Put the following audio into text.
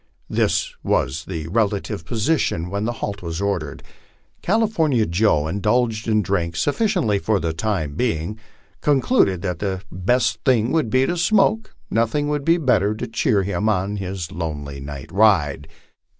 This was the relative position when the halt was ordered. California Joe, having indulged in drink sufficiently for the time being, concluded that the next best thing would be a smoke; nothing would be better to cheer him on his lonely night ride.